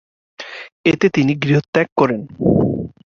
এতে তিনি গৃহত্যাগ করেন।